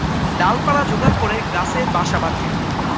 ডালপালা জোগাড় করে গাছে বাসা বাঁধে।